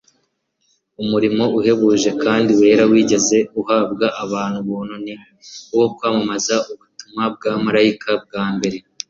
umurimo uhebuje kandi wera wigeze uhabwa abantu buntu ni uwo kwamamaza ubutumwa bwa marayika wa mbere